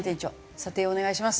査定をお願いします。